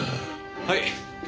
はい。